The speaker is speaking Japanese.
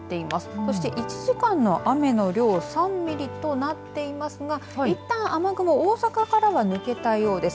そして１時間の雨の量３ミリとなっていますがいったん雨雲大阪からは抜けたようです。